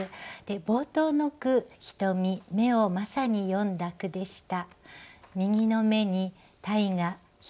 冒頭の句「ひとみ」「目」をまさに詠んだ句でした。